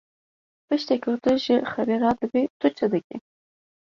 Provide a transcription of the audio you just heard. Piştî ku tu ji xewê radibî, tu çi dikî?